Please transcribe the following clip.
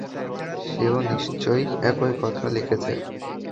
সেও নিশ্চয়ই একই কথা লিখেছে।